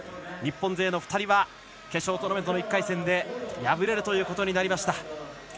日本勢の２人は決勝トーナメントの１回目で敗れるということになりました。